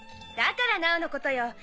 だからなおのことよ